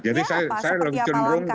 jadi saya lebih cenderung kepada